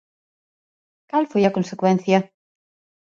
¿Cal foi a consecuencia?